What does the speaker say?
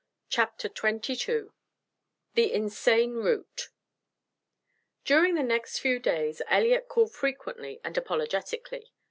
CHAPTER XXII "The Insane Root" During the next few days Elliott called frequently and apologetically.